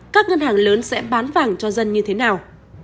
các ngân hàng lớn sẽ bán vàng cho dân như thế nào